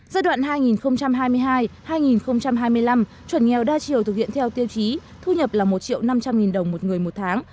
giai đoạn hai nghìn hai mươi hai hai nghìn hai mươi năm chuẩn nghèo đa chiều thực hiện theo tiêu chí thu nhập là một năm trăm linh nghìn đồng một người một tháng